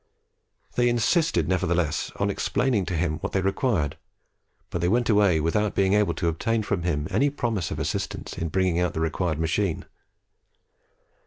They insisted, nevertheless, on explaining to him what they required, but they went away without being able to obtain from him any promise of assistance in bringing out the required machine.